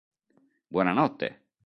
Buona notte!